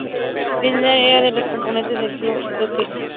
Fisher era uno de los componentes del dúo Cut Snake.